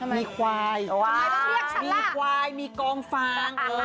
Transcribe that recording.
มีควายมีควายมีกองฟาง